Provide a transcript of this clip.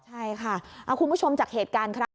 ใช่ค่ะคุณผู้ชมจากเหตุการณ์ครั้ง